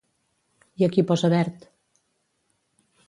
I a qui posa verd?